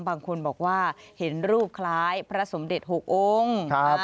บางคนบอกว่าเห็นรูปคล้ายพระสมเด็จ๖องค์